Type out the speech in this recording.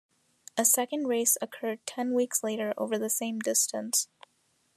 A second race occurred ten weeks later over the same distance.